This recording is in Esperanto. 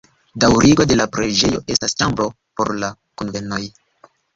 Daŭrigo de la preĝejo estas ĉambro por la kunvenoj.